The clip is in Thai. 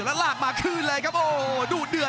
รับทราบบรรดาศักดิ์